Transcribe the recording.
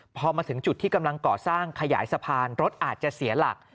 พอมาถึงจุดที่กำลังก่อสร้างขยายสะพานรถอาจจะเสียหลัก